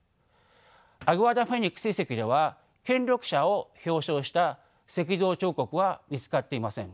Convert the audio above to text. アグアダ・フェニックス遺跡では権力者を表象した石造彫刻は見つかっていません。